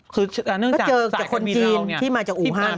ก็เจอกับคนจีนที่มาจากอู่ฮันด์